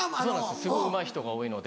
すごいうまい人が多いので。